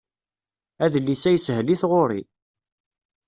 Adlis-a yeshel i tɣuri.